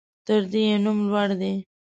تر ده يې نوم لوړ دى.